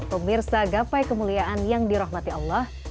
pemirsa gapai kemuliaan yang dirahmati allah